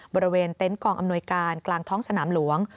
บริเวณเต็นต์กองอำนวยการกลางท้องสนามหลวง